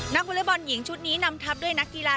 นักวิทยาบอลหญิงชุดนี้นำทับด้วยนักกีฬา